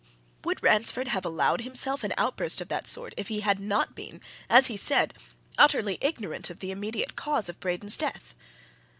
Would Ransford have allowed himself an outburst of that sort if he had not been, as he said, utterly ignorant of the immediate cause of Braden's death?